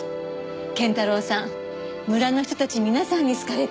謙太郎さん村の人たち皆さんに好かれてるのよ。